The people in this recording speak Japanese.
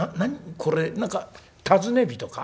これ何か尋ね人か？」。